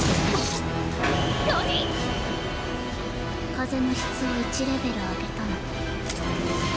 何⁉風の質を１レベル上げたの。